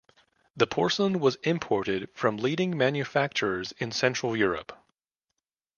The porcelain was imported from leading manufacturers in central Europe.